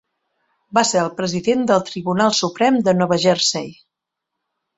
Va ser el president del Tribunal Suprem de Nova Jersey.